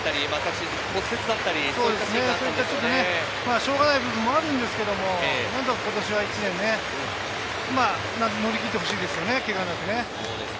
しょうがない部分もあるんですけれど、今年は一年、乗り切ってほしいですよね、けがなくね。